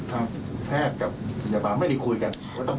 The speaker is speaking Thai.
ทางแพทย์กับพยาบาลไม่ได้คุยกัน